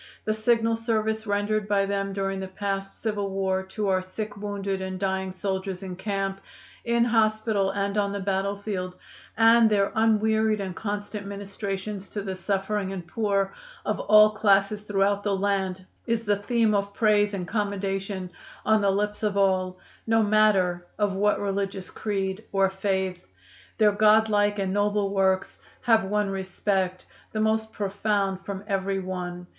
The signal service rendered by them during the past civil war to our sick, wounded and dying soldiers in camp, in hospital and on the battlefield, and their unwearied and constant ministrations to the suffering and poor of all classes throughout the land, is the theme of praise and commendation on the lips of all, no matter of what religious creed or faith. "Their God like and noble works have won respect, the most profound from every one.